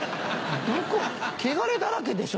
どこ汚れだらけでしょ！